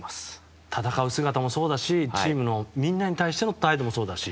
戦う姿もそうだしチームのみんなへの態度もそうだし。